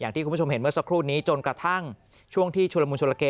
ที่คุณผู้ชมเห็นเมื่อสักครู่นี้จนกระทั่งช่วงที่ชุลมุนชุลเก